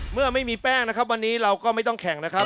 เมื่อไม่มีแป้งนะครับวันนี้เราก็ไม่ต้องแข่งนะครับ